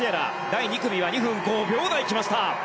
第２組は２分５秒台きました。